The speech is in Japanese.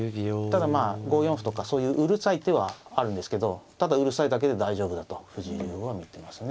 ただまあ５四歩とかそういううるさい手はあるんですけどただうるさいだけで大丈夫だと藤井竜王は見てますね。